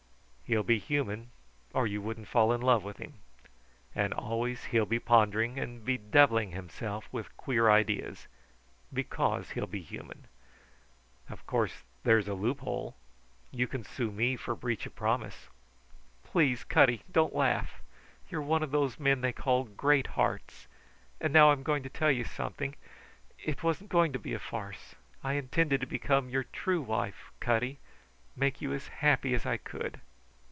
He'll be human or you wouldn't fall in love with him; and always he'll be pondering and bedevilling himself with queer ideas because he'll be human. Of course there's a loophole you can sue me for breach of promise." "Please, Cutty; don't laugh! You're one of those men they call Greathearts. And now I'm going to tell you something. It wasn't going to be a farce. I intended to become your true wife, Cutty, make you as happy as I could."